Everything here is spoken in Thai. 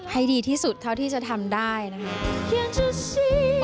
ให้ดีที่สุดเท่าที่จะทำได้นะคะ